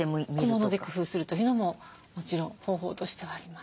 小物で工夫するというのももちろん方法としてはあります。